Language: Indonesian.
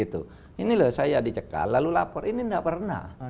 ini loh saya dicekal lalu lapor ini tidak pernah